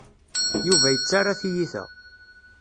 Yuba yettarra tiyita.